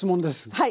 はい。